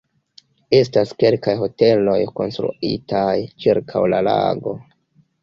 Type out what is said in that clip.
Estas kelkaj hoteloj konstruitaj ĉirkaŭ la lago.